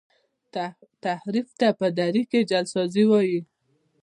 تحریف ته په دري کي جعل سازی وايي.